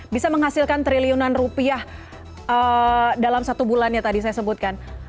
bisa menghasilkan triliunan rupiah dalam satu bulannya tadi saya sebutkan